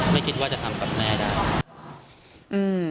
ไม่คิดว่าจะทำกับแม่ได้